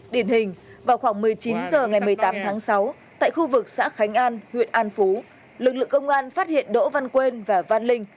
điển hình vào khoảng một mươi chín h ngày một mươi tám tháng sáu tại khu vực xã khánh an huyện an phú lực lượng công an phát hiện đỗ văn quên và văn linh